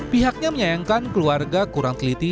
pihaknya menyayangkan keluarga kurang teliti